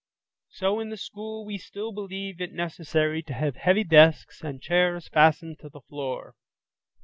So in the school, we still believe it necessary to have heavy desks and chairs fastened to the floor.